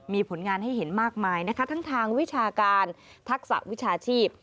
มีผลงานให้เห็นมากมายนะคะทั้งทางวิชาการทักษะวิชาชีพ